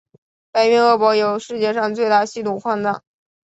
白云鄂博有世界上最大稀土矿藏。